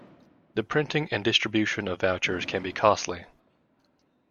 The printing and distribution of vouchers can be costly.